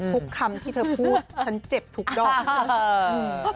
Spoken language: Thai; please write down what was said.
ทุกคำที่เธอพูดฉันเจ็บทุกดอก